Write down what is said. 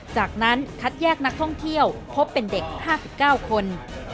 จากนั้นคัดแยกนักท่องเที่ยวพบเป็นเด็ก๕๙คน